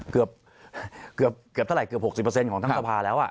เกือบเท่าไหเกือบ๖๐ของทั้งสภาแล้ว